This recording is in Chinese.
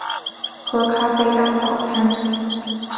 喝咖啡当早餐